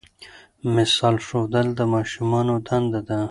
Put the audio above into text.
مثال ښودل د ماشومانو دنده ده.